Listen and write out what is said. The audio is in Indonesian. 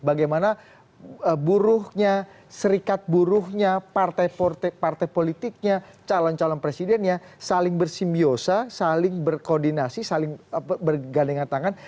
bagaimana buruhnya serikat buruhnya partai partai politiknya calon calon presidennya saling bersimbiosa saling berkoordinasi saling bergandengan tangan